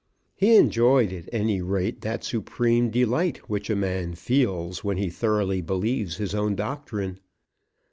He enjoyed at any rate that supreme delight which a man feels when he thoroughly believes his own doctrine.